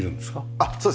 あっそうです。